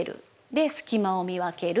隙間を見分ける。